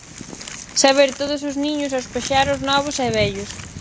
Saber todos os niños e os paxaros novos e vellos.